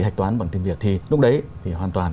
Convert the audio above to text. hạch toán bằng tiền việc thì lúc đấy thì hoàn toàn